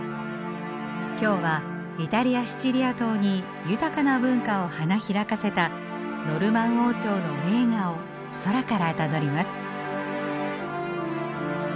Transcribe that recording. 今日はイタリア・シチリア島に豊かな文化を花開かせたノルマン王朝の栄華を空からたどります。